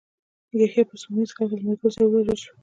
یحیی په سپوږمیز کال کې له ملګرو سره ووژل شو.